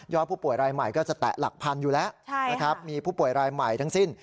ผู้ป่วยรายใหม่ก็จะแตะหลักพันอยู่แล้วนะครับมีผู้ป่วยรายใหม่ทั้งสิ้น